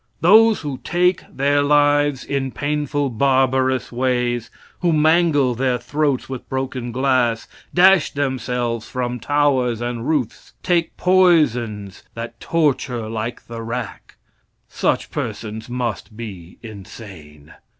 Those who take their lives in painful, barbarous ways who mangle their throats with broken glass, dash themselves from towers and roofs, take poisons that torture like the rack such persons must be insane.